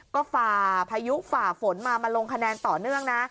ก็ฝ่าพายุฝ่าฝนมามาลงคะแนนต่อเนื่องนะ